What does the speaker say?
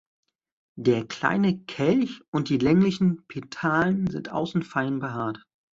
Der kleine Kelch und die länglichen Petalen sind außen fein behaart.